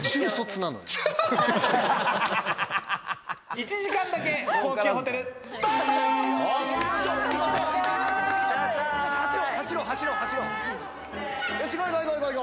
１時間だけ高級ホテル、スタート！